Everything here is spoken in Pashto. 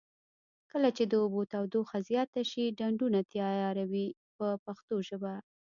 کله چې د اوبو تودوخه زیاته شي ډنډونه تیاروي په پښتو ژبه.